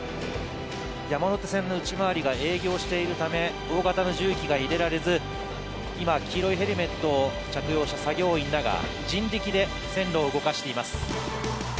山手線の内回りが営業しているため大型の重機が入れられず今、黄色いヘルメットを着用した作業員らが人力で線路を動かしています。